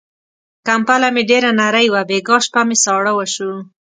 کمپله مې ډېره نری وه، بيګاه شپه مې ساړه وشو.